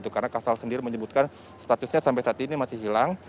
karena kasal sendiri menyebutkan statusnya sampai saat ini masih hilang